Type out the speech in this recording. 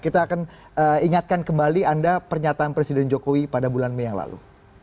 kita akan ingatkan kembali anda pernyataan presiden jokowi pada bulan mei yang lalu